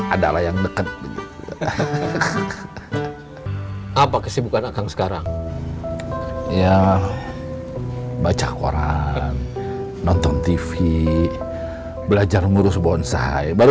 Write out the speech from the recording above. adalah yang deket gitu apa kesibukan akan sekarang ya baca koran nonton tv belajar ngurus bonsai baru